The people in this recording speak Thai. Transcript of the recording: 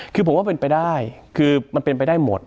คือผมว่าเป็นไปได้คือมันเป็นไปได้หมด